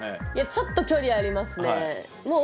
ちょっと距離ありますね。